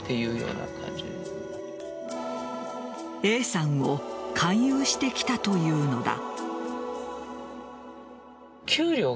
Ａさんを勧誘してきたというのだ。